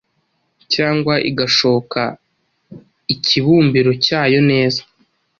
cyangwa igashoka ikibumbiro cyayo neza.